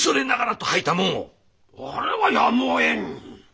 あれはやむをえん。